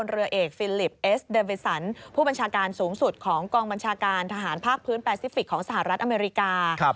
เรือเอกฟิลิปเอสเดอร์เบสันผู้บัญชาการสูงสุดของกองบัญชาการทหารภาคพื้นแปซิฟิกของสหรัฐอเมริกา